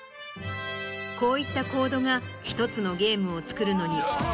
こういったコードが１つのゲームを作るのに。